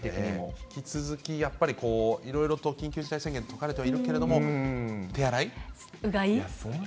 引き続きいろいろと緊急事態宣言、解かれてはいるけれども、うがい？